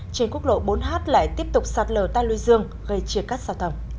trên quốc lộ bốn h lại tiếp tục sạt lờ tan lưu dương gây chia cắt giao thông